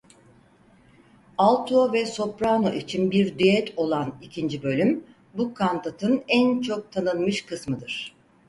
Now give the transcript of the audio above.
Alto ve soprano için bir düet olan ikinci bölüm bu kantatın en çok tanınmış kısmıdır.